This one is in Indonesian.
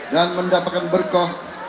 dan mendapatkan berkoch